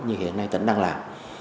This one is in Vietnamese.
như hiện nay tỉnh đăng lạc